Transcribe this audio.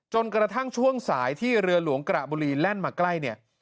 จนกระทั่งช่วงสายที่เรือหลวงกระบุรีแล่นมาใกล้เนี่ย